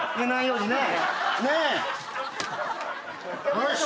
よし。